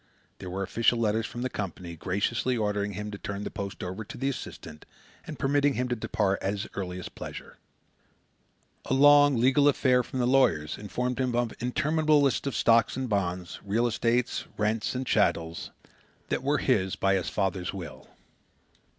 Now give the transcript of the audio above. There were official letters from the Company, graciously ordering him to turn the post over to the assistant and permitting him to depart at his earliest pleasure. A long, legal affair from the lawyers informed him of interminable lists of stocks and bonds, real estate, rents, and chattels that were his by his father's will.